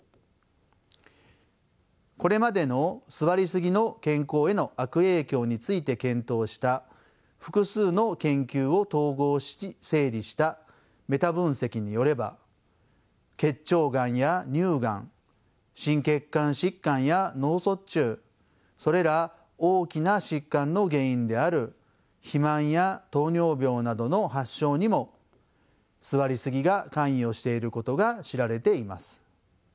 これまでの座りすぎの健康への悪影響について検討した複数の研究を統合し整理したメタ分析によれば結腸がんや乳がん心血管疾患や脳卒中それら大きな疾患の原因である肥満や糖尿病などの発症にも座りすぎが関与していることが知られています。